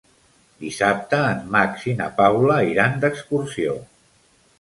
Dissabte en Max i na Paula iran d'excursió.